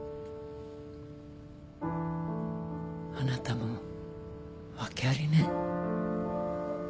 あなたも訳ありね。